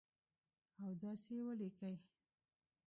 او داسي یې ولیکئ